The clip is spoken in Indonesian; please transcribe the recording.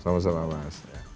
selamat malam mas